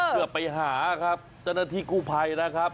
เพื่อไปหาครับเจ้าหน้าที่กู้ภัยนะครับ